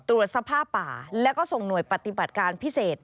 ตรวจสภาพป่าแล้วก็ส่งหน่วยปฏิบัติการพิเศษ